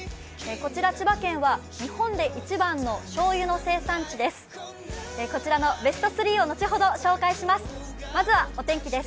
こちら千葉県は日本で一番のしょうゆの生産地です。